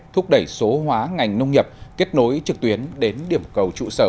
thúc đẩy số hóa ngành nông nghiệp kết nối trực tuyến đến điểm cầu trụ sở